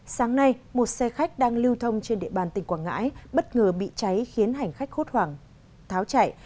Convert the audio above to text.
sáng nay một xe khách đang lưu thông trên địa bàn tỉnh quảng ngãi bất ngờ bị cháy khiến hành khách hốt hoảng tháo chạy